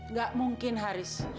nggak mungkin haris